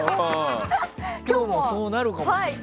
今日もそうなるかもしれない。